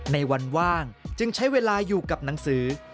ในวันว่างจึงใช้เวลาอยู่กับหนังสือ